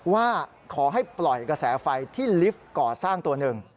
ว่าขอให้ปล่อยกระแสไฟที่ลิฟต์ก่อสร้างตัวหนึ่ง